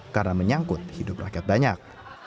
karena menyangkut hidup rakyat banyak